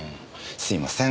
すいません。